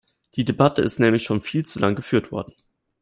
Die Debatte ist nämlich schon viel zu lange geführt worden.